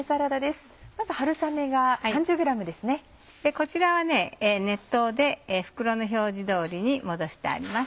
こちらは熱湯で袋の表示通りに戻してあります。